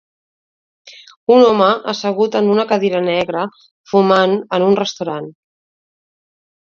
Un home assegut en una cadira negra fumant en un restaurant.